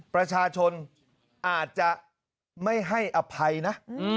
ประชาชนอาจจะไม่ให้อภัยนะ